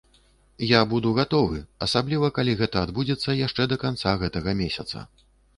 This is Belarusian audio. Я буду гатовы, асабліва калі гэта адбудзецца яшчэ да канца гэтага месяца.